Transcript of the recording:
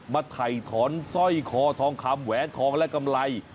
ถ่ายถอนสร้อยคอทองคำแหวนทองและกำไร